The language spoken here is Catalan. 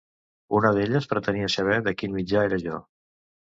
Una d’elles pretenia saber de quin mitja era jo.